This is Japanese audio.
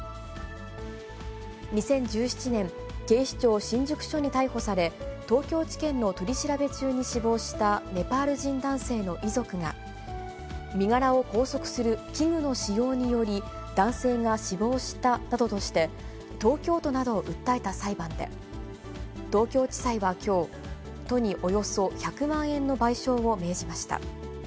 ２０１７年、警視庁新宿署に逮捕され、東京地検の取り調べ中に死亡したネパール人男性の遺族が、身柄を拘束する器具の使用により、男性が死亡したなどとして、東京都などを訴えた裁判で、東京地裁はきょう、都におよそ１００万円の賠償を命じました。